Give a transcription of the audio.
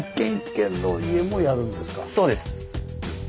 そうです。